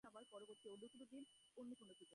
তবে সব সময় নয়।